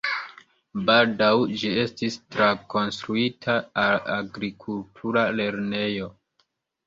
Baldaŭ ĝi estis trakonstruita al agrikultura lernejo.